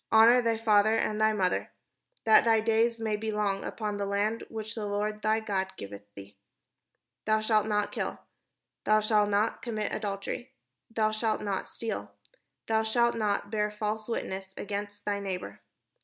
" Honour thy father and thy mother: that thy days may be long upon the land which the Lord thy God giveth thee. "Thou shalt not kill. "Thou shalt not commit adultery. "Thou shalt not steal. "Thou shalt not bear false witness against thy neigh bour.